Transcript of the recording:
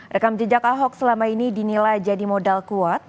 rekam jejak ahok selama ini dinilai jadi modal kuat